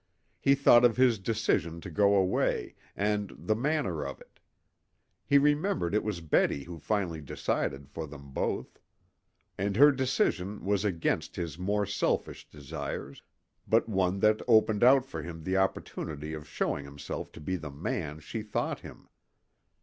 He thought of his decision to go away, and the manner of it. He remembered it was Betty who finally decided for them both. And her decision was against his more selfish desires, but one that opened out for him the opportunity of showing himself to be the man she thought him.